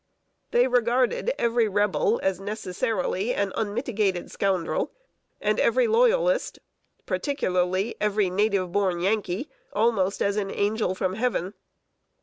They regarded every Rebel as necessarily an unmitigated scoundrel, and every Loyalist, particularly every native born Yankee, almost as an angel from heaven.